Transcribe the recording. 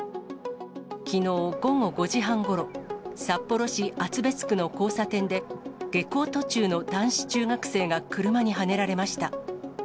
きのう午後５時半ごろ、札幌市厚別区の交差点で、下校途中の男子中学生が車にはねられました。